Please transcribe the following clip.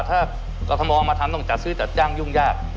ถ้ากรทมมาทำต้องจัดซื้อจัดจ้างยุ่งยาก